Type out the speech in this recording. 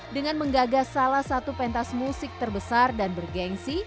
dengan menggagas salah satu pentas musik terbesar dan bergensi